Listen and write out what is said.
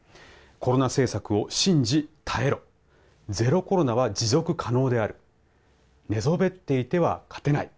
コロナ政策を信じ、耐えろゼロコロナは持続可能である寝そべっていては勝てない。